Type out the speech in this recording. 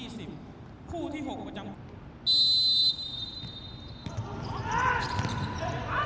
สวัสดีครับทุกคน